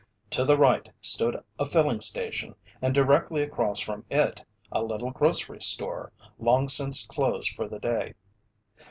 To the right stood a filling station, and directly across from it, a little grocery store, long since closed for the day.